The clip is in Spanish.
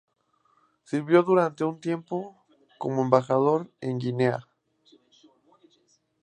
Sirvió durante un tiempo como embajador en Guinea.